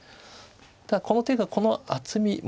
ただこの手がこの厚み。